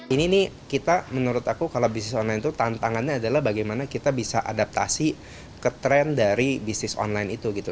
ini nih kita menurut aku kalau bisnis online itu tantangannya adalah bagaimana kita bisa adaptasi ke tren dari bisnis online itu gitu